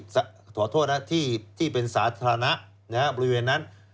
ขอโทษนะที่เป็นสาธารณะบริเวณนั้น